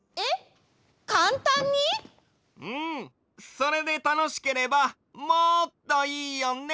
それでたのしければもっといいよね！